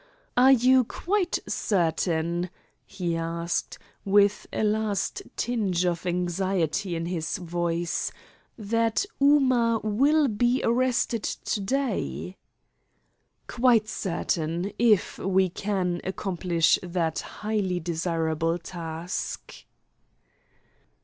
"Are you quite certain," he asked, with a last tinge of anxiety in his voice, "that Ooma will be arrested to day?" "Quite certain, if we can accomplish that highly desirable task."